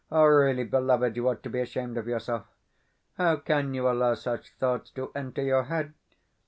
Really, beloved, you ought to be ashamed of yourself! How can you allow such thoughts to enter your head?